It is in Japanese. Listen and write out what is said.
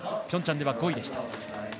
ピョンチャンでは５位でした。